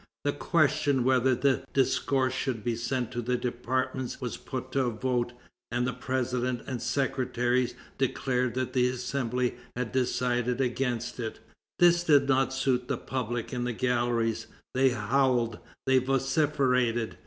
The question whether the discourse should be sent to the departments was put to vote, and the president and secretaries declared that the Assembly had decided against it. This did not suit the public in the galleries. They howled, they vociferated.